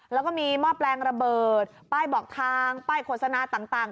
แล้วก็มีหม้อแปลงระเบิดป้ายบอกทางป้ายโฆษณาต่าง